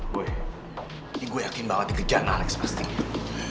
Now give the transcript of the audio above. boy ini gue yakin banget dikejaran alex pasti gitu